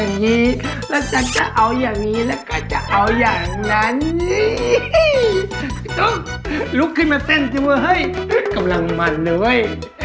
นี่นี่ตุ๊กลุกขึ้นมาเต้นจริงไหมฮ่ะกำลังมันเลย